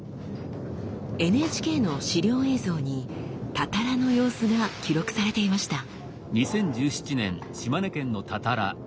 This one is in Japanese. ＮＨＫの資料映像に「たたら」の様子が記録されていました。